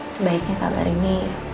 sebaiknya kabar ini